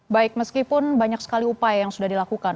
baik meskipun banyak sekali upaya yang sudah dilakukan